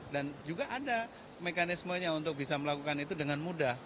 dan juga ada mekanismenya untuk bisa melakukan itu dengan mudah